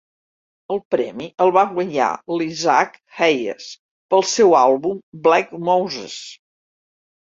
El premi el va guanyar l'Isaac Hayes pel seu àlbum "Black Moses".